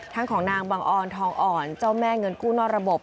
ของนางบังออนทองอ่อนเจ้าแม่เงินกู้นอกระบบ